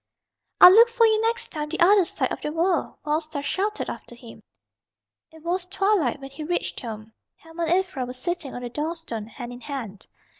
"I'll look for you next time the other side of the world!" Wild Star shouted after him. It was twilight when he reached home. Helma and Ivra were sitting on the door stone, hand in hand.